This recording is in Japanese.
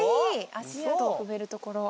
足跡を踏めるところ。